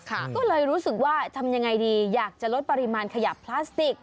ก็เลยรู้สึกว่าทำยังไงดีอยากจะลดปริมาณขยะพลาสติก